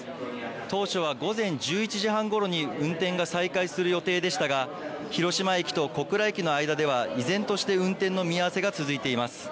当初は午前１１時半ごろに運転が再開する予定でしたが広島駅と小倉駅の間では依然として運転の見合わせが続いています。